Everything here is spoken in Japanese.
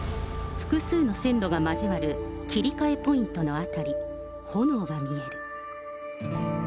複数の線路が交わる切り替えポイントの辺り、炎が見える。